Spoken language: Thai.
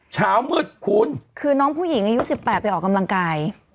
เช้ามืดคุณคือน้องผู้หญิงอายุ๑๘ไปออกกำลังกาย